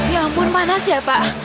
ya ampun panas ya pak